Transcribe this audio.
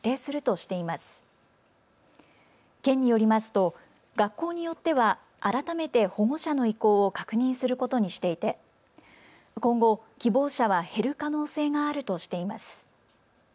県によりますと学校によっては改めて保護者の意向を確認することにしていて今後、希望者は減る可能性があるとしています。